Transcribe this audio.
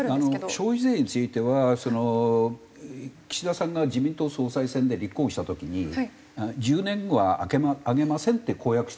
消費税については岸田さんが自民党総裁選で立候補した時に「１０年は上げません」って公約してるわけですよ。